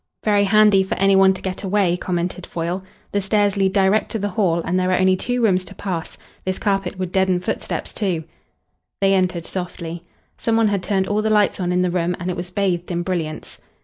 "Very handy for any one to get away," commented Foyle. "The stairs lead direct to the hall, and there are only two rooms to pass. This carpet would deaden footsteps too." They entered softly. Some one had turned all the lights on in the room, and it was bathed in brilliance.